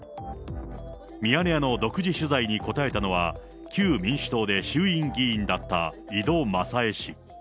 ミヤネ屋の独自取材に答えたのは、旧民主党で衆院議員だった井戸まさえ氏。